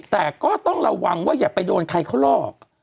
แต่ก็ต้องระวังว่าอย่าไปโดนใครเขาหลอก